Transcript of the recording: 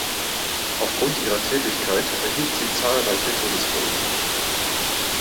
Aufgrund ihrer Tätigkeit erhielt sie zahlreiche Todesdrohungen.